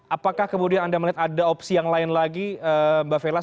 apakah kemudian anda melihat ada opsi yang lain lagi mbak vela